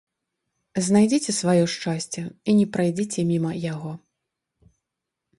Знайдзіце сваё шчасце і не прайдзіце міма яго.